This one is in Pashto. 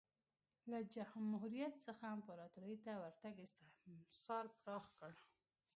له جمهوریت څخه امپراتورۍ ته ورتګ استثمار پراخ کړ